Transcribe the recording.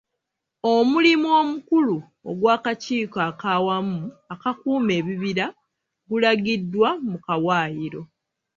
Omulimu omukulu ogw'Akakiiko ak'Awamu Akakuuma Ebibira gulagiddwa mu kawaayiro.